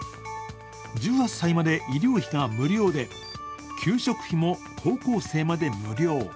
１８歳まで医療費が無料で、給食費も高校生まで無料。